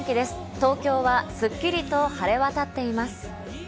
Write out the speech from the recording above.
東京はすっきりと晴れ渡っています。